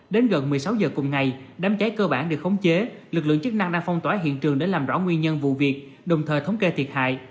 đến gần một mươi sáu giờ cùng ngày đám cháy cơ bản được khống chế lực lượng chức năng đang phong tỏa hiện trường để làm rõ nguyên nhân vụ việc đồng thời thống kê thiệt hại